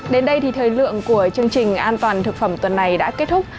đến đây thì thời lượng của chương trình an toàn thực phẩm tuần này đã kết thúc